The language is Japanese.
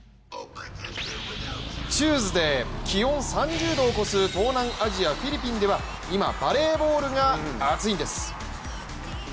チューズデー、気温３０度を超す東南アジア・フィリピンでは今、バレーボールが熱いんです。